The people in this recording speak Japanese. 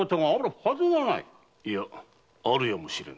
いやあるやもしれぬ。